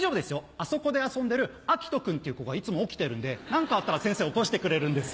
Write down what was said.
あそこで遊んでるアキト君っていう子がいつも起きてるんで何かあったら先生起こしてくれるんですよ。